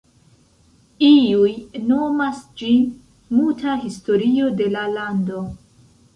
Iuj nomas ĝin: ""Muta historio de la lando"".